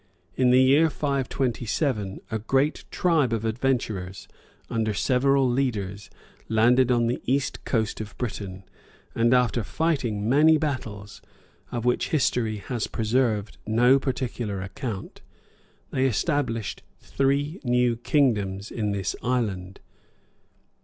In the year 527, a great tribe of adventurers, under several leaders, landed on the east coast of Britain; and after fighting many battles, of which history has preserved no particular account, they established three new kingdoms in this island.